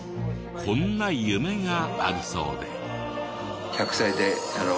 こんな夢があるそうで。